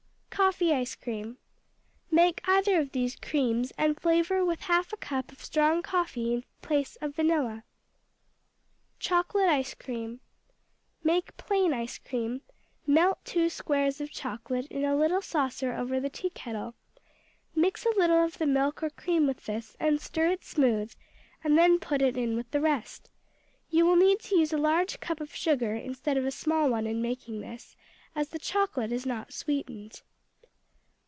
Coffee Ice cream Make either of these creams, and flavor with half a cup of strong coffee in place of vanilla. Chocolate Ice cream Make plain ice cream; melt two squares of chocolate in a little saucer over the teakettle. Mix a little of the milk or cream with this, and stir it smooth, and then put it in with the rest. You will need to use a large cup of sugar instead of a small one in making this, as the chocolate is not sweetened.